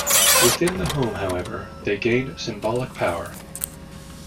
Within the home, however, they gained symbolic power.